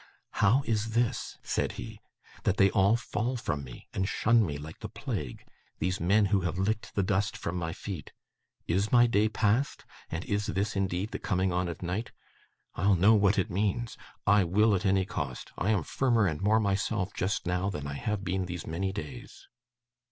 'How is this,' said he, 'that they all fall from me, and shun me like the plague, these men who have licked the dust from my feet? IS my day past, and is this indeed the coming on of night? I'll know what it means! I will, at any cost. I am firmer and more myself, just now, than I have been these many days.